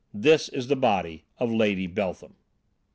This is the body of Lady Beltham!"